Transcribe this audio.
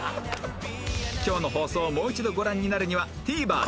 今日の放送をもう一度ご覧になるには ＴＶｅｒ で